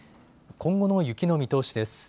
今後の雪の見通しです。